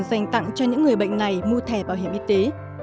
dành tặng cho những người bệnh này mua thẻ bảo hiểm y tế